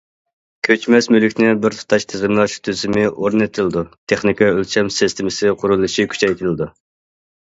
كۆچمەس مۈلۈكنى بىرتۇتاش تىزىملاش تۈزۈمى ئورنىتىلىدۇ، تېخنىكا ئۆلچەم سىستېمىسى قۇرۇلۇشى كۈچەيتىلىدۇ.